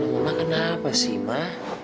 mama kenapa sih ma